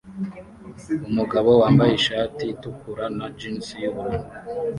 Umugabo wambaye ishati itukura na jans yubururu